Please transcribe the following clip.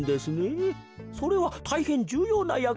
それはたいへんじゅうようなやくでございますね。